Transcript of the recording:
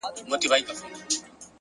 زړورتیا د وېرو ماتولو نوم دی!.